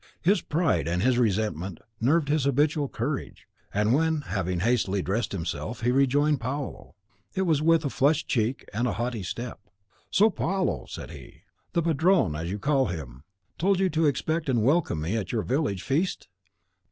His pride and his resentment nerved his habitual courage; and when, having hastily dressed himself, he rejoined Paolo, it was with a flushed cheek and a haughty step. "So, Paolo," said he, "the Padrone, as you call him, told you to expect and welcome me at your village feast?"